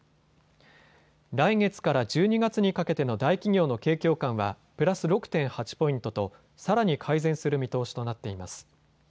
来月から１２月にかけての大企業の景況感はプラス６．８ポイントとさらに改善する見通しとなっています。